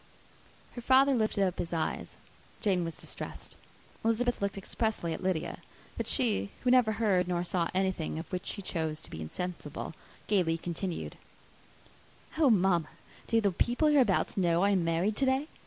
Her father lifted up his eyes, Jane was distressed, Elizabeth looked expressively at Lydia; but she, who never heard nor saw anything of which she chose to be insensible, gaily continued, "Oh, mamma, do the people hereabouts know I am married to day?